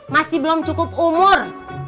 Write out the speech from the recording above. masih belum cukup umur